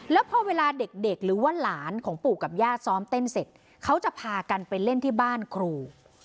แล้วพอเวลาเด็กหรือว่าหลานของปู่กับย่าซ้อมเต้นเสร็จเขาจะพากันไปเล่นที่บ้านครู